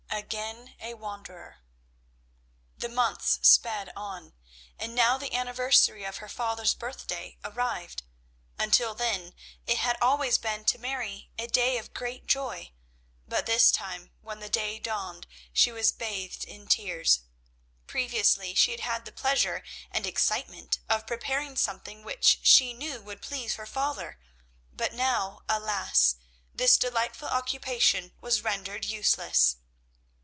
AGAIN A WANDERER. The months sped on, and now the anniversary of her father's birthday arrived. Until then it had always been to Mary a day of great joy, but this time, when the day dawned, she was bathed in tears. Previously she had had the pleasure and excitement of preparing something which she knew would please her father, but now, alas, this delightful occupation was rendered useless!